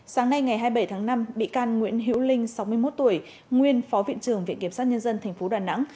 sáng nay ngày hai mươi bảy tháng năm bị can nguyễn hiễu linh sáu mươi một tuổi nguyên phó viện trưởng viện kiểm sát nhân dân tp đà nẵng